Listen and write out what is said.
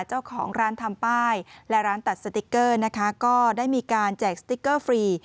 เจ้าของร้านทำป้ายและร้านตัดสติ๊กเกอร์นะคะก็ได้มีการแจกสติ๊กเกอร์ฟรี